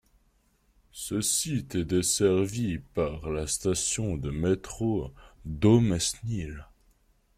Ce site est desservi par la station de métro Daumesnil.